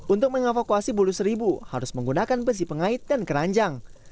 untuk mengevakuasi bulu seribu harus menggunakan besi pengait dan keranjang